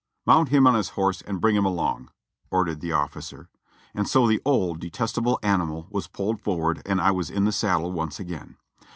"Mount him on his horse and bring him along," ordered the officer; and so the old, detestable animal was pulled forward and I was in the saddle once again.